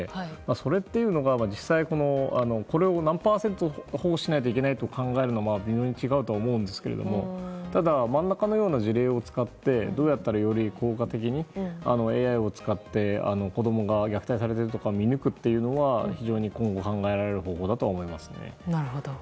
それっていうのが実際にこれを何パーセント保護しないといけないと考えるのは、違うと思うんですがただ、真ん中のような事例を使ってどうやったらより効果的にＡＩを使って子供が虐待されているかを見抜くというのは、今後考えられる方法だと思います。